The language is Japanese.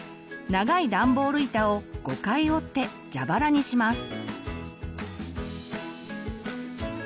長いダンボール板を５回折ってジャバラにします。